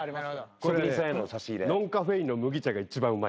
ノンカフェインの麦茶が一番うまい。